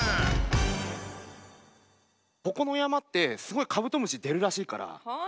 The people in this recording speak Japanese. ここの山ってすごいカブトムシ出るらしいから。